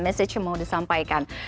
mesej yang mau disampaikan